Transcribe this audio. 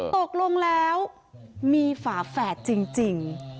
ตกลงแล้วมีฝาแฝดจริง